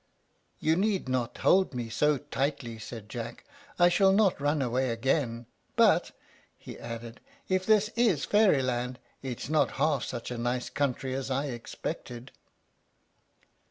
"You need not hold me so tightly," said Jack, "I shall not run away again; but," he added, "if this is Fairyland, it is not half such a nice country as I expected."